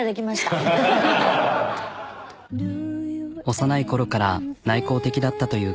幼い頃から内向的だったという彼女。